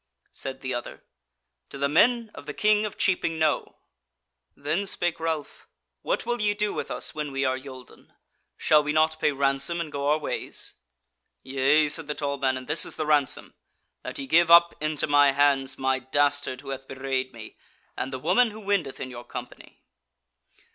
Said the other: "To the men of the King of Cheaping Knowe." Then spake Ralph: "What will ye do with us when we are yolden? Shall we not pay ransom and go our ways?" "Yea," said the tall man, "and this is the ransom: that ye give up into my hands my dastard who hath bewrayed me, and the woman who wendeth in your company."